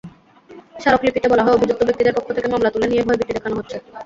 স্মারকলিপিতে বলা হয়, অভিযুক্ত ব্যক্তিদের পক্ষ থেকে মামলা তুলে নিতে ভয়ভীতি দেখানো হচ্ছে।